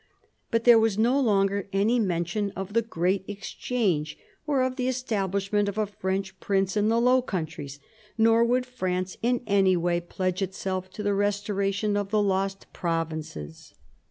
But there was no longer any mention of the great exchange, or of the establishment of a French prince in the Low Countries, nor would France in any way pledge itself to the restoration of the lost provinces.